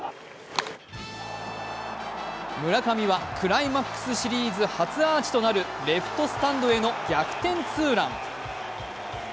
村上はクライマックスシリーズ初アーチとなるレフトスタンドへの逆転ツーラン。